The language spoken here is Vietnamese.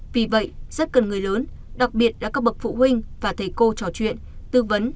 vì vậy rất cần người lớn đặc biệt là các bậc phụ huynh và thầy cô trò chuyện tư vấn